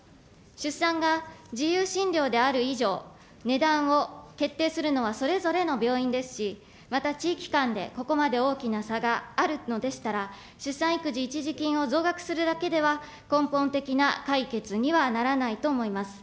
出産が自由診療である以上、値段を決定するのはそれぞれの病院ですし、また地域間でここまで大きな差があるのでしたら、出産育児一時金を増額するだけでは、根本的な解決にはならないと思います。